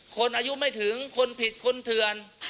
คนอายุไม่ถึงคนผิดคนเถื่อน